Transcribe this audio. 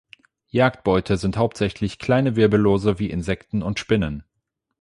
Jagdbeute sind hauptsächlich kleine Wirbellose wie Insekten und Spinnen.